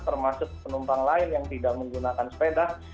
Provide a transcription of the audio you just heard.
termasuk penumpang lain yang tidak menggunakan sepeda